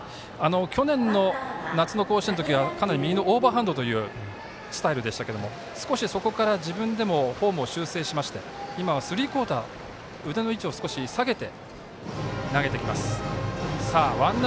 去年の夏の甲子園の時はかなり右のオーバーハンドというスタイルでしたけど少し、そこから自分でもフォームを修正しまして今はスリークオーター腕の位置を少し下げて、投げてきます。